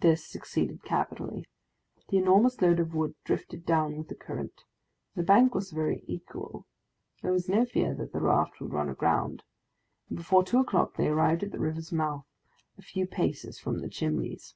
This succeeded capitally. The enormous load of wood drifted down the current. The bank was very equal; there was no fear that the raft would run aground, and before two o'clock they arrived at the river's mouth, a few paces from the Chimneys.